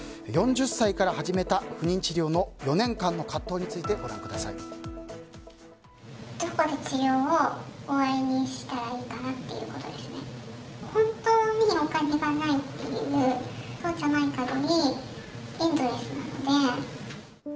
４０歳から始めた不妊治療の４年間の葛藤についてです。